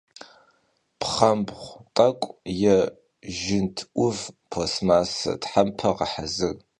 Pxhembğu t'ek'u yê jjint 'Uv, plastmassa thempe ğehezır.